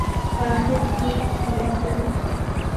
په اخره کې یې هیله کړې.